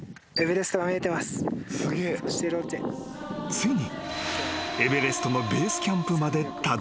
［ついに］